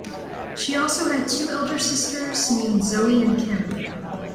She also had two elder sisters named Zoe and Kim.